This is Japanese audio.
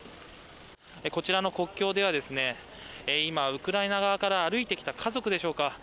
こちらの国境ではウクライナ側から歩いてきた家族でしょうか。